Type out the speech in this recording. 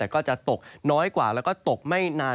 ก็จะมีการแผ่ลงมาแตะบ้างนะครับ